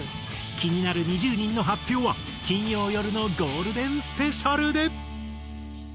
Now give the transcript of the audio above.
気になる２０人の発表は金曜よるのゴールデンスペシャルで！